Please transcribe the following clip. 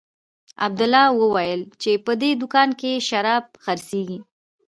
عبدالله وويل چې په دې دوکانو کښې شراب خرڅېږي.